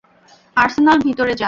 আর্সলান, ভিতরে যা।